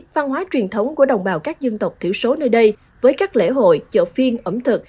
văn hóa truyền thống của đồng bào các dân tộc thiểu số nơi đây với các lễ hội chợ phiên ẩm thực